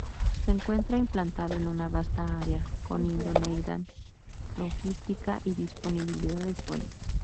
Se encuentra implantado en una vasta área con idoneidad logística y disponibilidad de suelo.